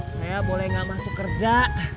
saya boleh gak masuk kerja